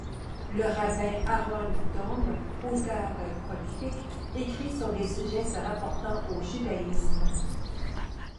Le rabbin Ahron Daum, auteur prolifique, écrit sur des sujets se rapportant au judaïsme.